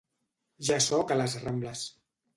Ja sóc a les Rambles.